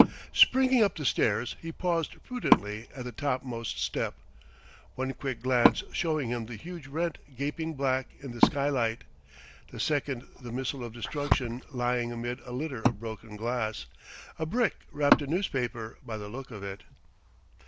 Springing up the stairs, he paused prudently at the top most step, one quick glance showing him the huge rent gaping black in the skylight, the second the missile of destruction lying amid a litter of broken glass a brick wrapped in newspaper, by the look of it.